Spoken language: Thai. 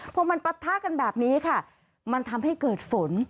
พอมันปะทะกันแบบนี้ค่ะมันทำให้เกิดฝน